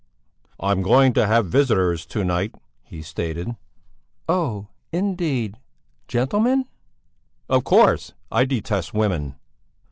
"I'm going to have visitors to night," he stated. "Oh, indeed! Gentlemen?" "Of course! I detest women."